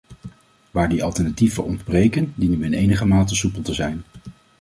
Waar die alternatieven ontbreken, dienen we in enige mate soepel te zijn.